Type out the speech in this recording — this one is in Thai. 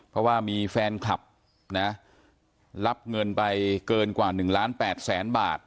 เพราะว่ามีแฟนคลับนะรับเงินไปเกินกว่า๑ล้าน๘แสนบาท